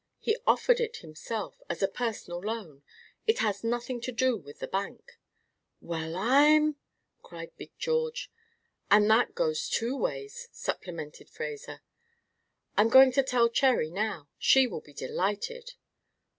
He offered it himself, as a personal loan. It has nothing to do with the bank." "Well, I'm !" cried Big George. "And that goes two ways," supplemented Fraser. "I'm going to tell Cherry, now. She will be delighted."